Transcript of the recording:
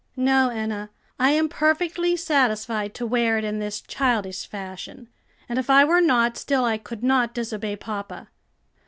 "No, Enna, I am perfectly satisfied to wear it in this childish fashion; and if I were not, still I could not disobey papa."